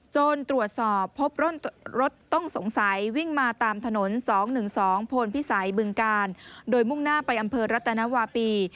ตรวจสอบพบรถต้องสงสัยวิ่งมาตามถนน๒๑๒โพนพิสัยบึงกาลโดยมุ่งหน้าไปอำเภอรัตนวาปี